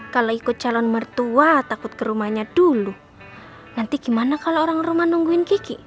kalau ikut calon mertua takut ke rumahnya dulu nanti gimana kalau orang rumah nungguin kiki